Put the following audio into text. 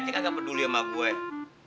mendingan gue peduli sama keluarga haji sulaw